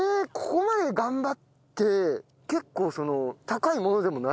ここまで頑張って結構その。